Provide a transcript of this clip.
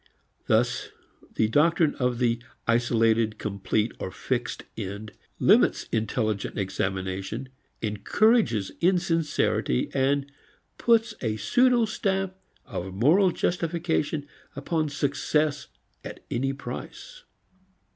Thus the doctrine of the isolated, complete or fixed end limits intelligent examination, encourages insincerity, and puts a pseudo stamp of moral justification upon success at any price.